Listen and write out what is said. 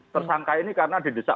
tersangka ini karena didesak